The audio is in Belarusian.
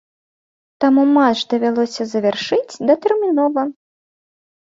Таму матч давялося завяршыць датэрмінова.